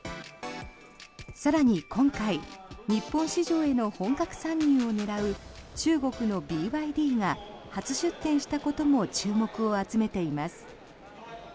更に今回日本市場への本格参入を狙う中国のＢＹＤが初出展したことも注目を集めています。